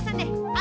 あ